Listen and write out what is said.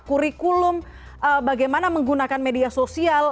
kurikulum bagaimana menggunakan media sosial